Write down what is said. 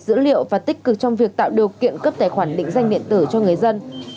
đặc biệt trong đó là việc tích hợp các tài khoản định danh điện tử cho người dân